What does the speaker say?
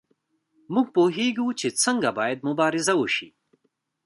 موږ پوهیږو چې څنګه باید مبارزه وشي.